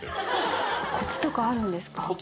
コツとかあるんですか？